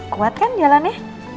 kuat kan jalannya